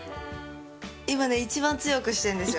今ね一番強くしてるんですよ。